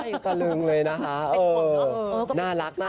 ไม่อยู่ตะลึงเลยนะคะน่ารัก